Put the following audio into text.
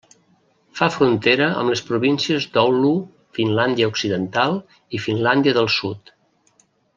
Fa frontera amb les províncies d'Oulu, Finlàndia Occidental i Finlàndia del Sud.